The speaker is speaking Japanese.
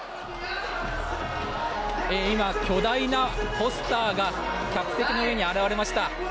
今、巨大なポスターが客席の上に現れました。